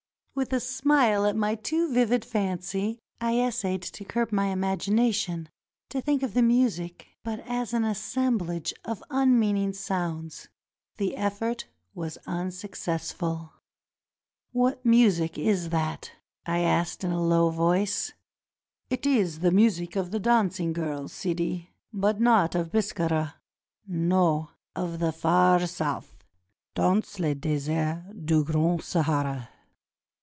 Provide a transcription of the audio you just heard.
With a smile at my too vivid fancy, I essayed to curb my imagination, to think of the music but as an assem blage of unmeaning sounds. The effort was unsuccessful. "What music is that?" I asked in a low voice. "It is the music of the dancing girls, Sidi. But not of 357 NORTHERN AFRICA Biskra; no, of the Far South — dans le desert du grand Sahara.'